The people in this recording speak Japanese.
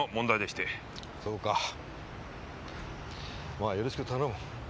そうかまあよろしく頼む。